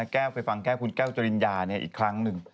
แก้วไปฟังแก้วคุณแก้วจริญญาอีกครั้งหนึ่ง